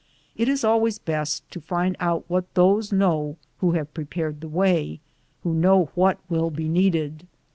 It is always best to find out what those know who have pre pared the way, who know what will be needed.